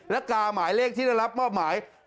และกาหมายเลขที่ได้รับมอบหมาย